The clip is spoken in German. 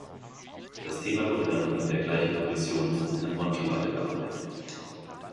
Das Thema wurde dann in der gleichen Kommission von Herrn Monti weiterbearbeitet.